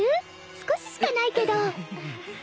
少ししかないけど。